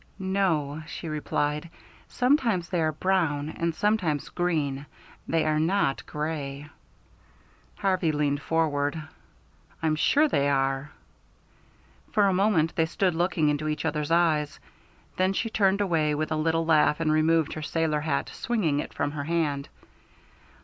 "No," she replied; "sometimes they are brown and sometimes green. They are not gray." Harvey leaned forward. "I'm sure they are." For a moment they stood looking into each other's eyes, then she turned away with a little laugh and removed her sailor hat, swinging it from her hand.